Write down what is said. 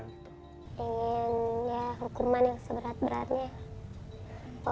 pengen ya hukuman yang seberat beratnya